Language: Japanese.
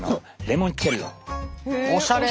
おしゃれ！